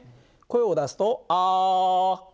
声を出すとあ！